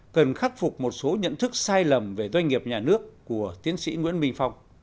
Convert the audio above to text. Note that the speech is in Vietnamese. cần khắc phục một số nhận thức sai lầm về doanh nghiệp nhà nước của tiến sĩ nguyễn minh phong